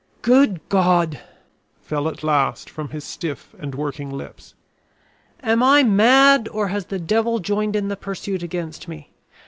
"Good God!" fell at last from his stiff and working lips. "Am I mad or has the devil joined in the pursuit against me?